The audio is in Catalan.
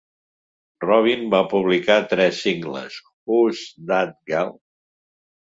Robyn va publicar tres singles: Who's That Girl?